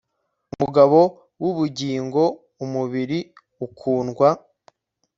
Umugabo wubugingo umubiri ukundwa